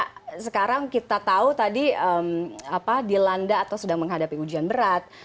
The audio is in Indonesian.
karena sekarang kita tahu tadi dilanda atau sedang menghadapi ujian berat